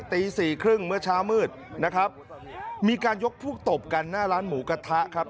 ตีสี่ครึ่งเมื่อเช้ามืดนะครับมีการยกพวกตบกันหน้าร้านหมูกระทะครับ